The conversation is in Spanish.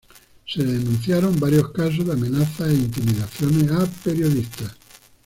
Se denunciaron varios casos de amenazas e intimidaciones a periodistas.